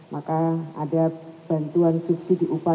maka ada bantuan subsidi upah